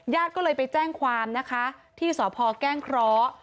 ญาติก็เลยไปแจ้งความนะคะที่สพแก้งเคราะห์